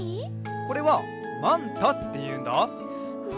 これはマンタっていうんだうわ！